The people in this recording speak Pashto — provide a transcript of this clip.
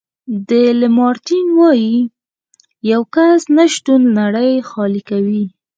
ډي لمارټین وایي د یو کس نه شتون نړۍ خالي کوي.